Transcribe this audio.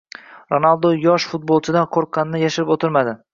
Ronaldo yosh futbolchidan qo‘rqanini yashirib o‘tirmadi.